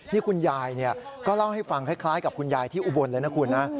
นี่คุณยายก็เล่าให้ฟังคล้ายกับคุณยายที่อุบลเลยนะคุณนะ